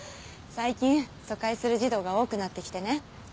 最近疎開する児童が多くなってきてね